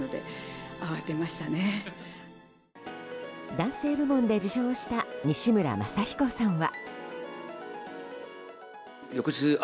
男性部門で受賞した西村まさ彦さんは。